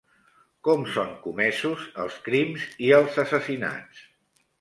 Com són comesos els crims i els assassinats?